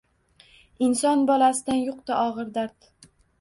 Inson bolasidan yuqdi og’ir dard.